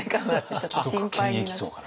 ちょっと心配になっちゃう。